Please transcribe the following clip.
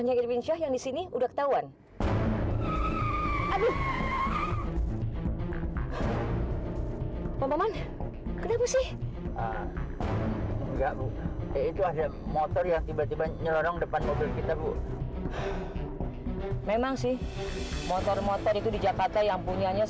gara gara habis bebu dan ala kesayangannya